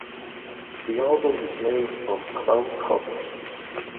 The album is made of about copies.